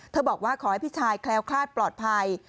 บอกว่าขอให้พี่ชายแคล้วคลาดปลอดภัย